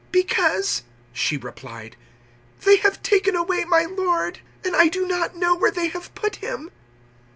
"Because," she replied, "they have taken away my Lord, and I do not know where they have put him."